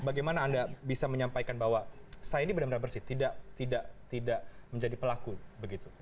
bagaimana anda bisa menyampaikan bahwa saya ini benar benar bersih tidak menjadi pelaku begitu